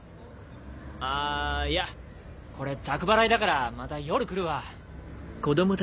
あいやこれ着払いだからまた夜来るわ。